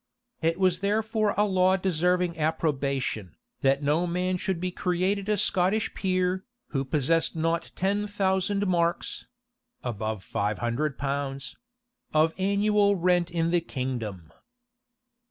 It was therefore a law deserving approbation, that no man should be created a Scotch peer, who possessed not ten thousand marks (above five hundred pounds) of annual rent in the kingdom.